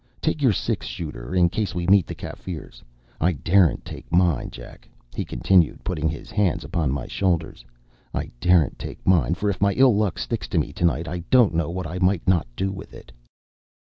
Take your six shooter, in case we meet the Kaffirs. I daren’t take mine, Jack,” he continued, putting his hands upon my shoulders “I daren’t take mine; for if my ill luck sticks to me to night, I don’t know what I might not do with it.